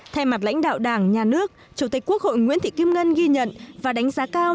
thay mặt lãnh đạo đảng nhà nước chủ tịch quốc hội nguyễn thị kim ngân ghi nhận và đánh giá cao